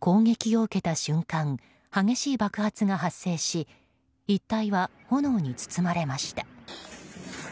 攻撃を受けた瞬間激しい爆発が発生し一帯は炎に包まれました。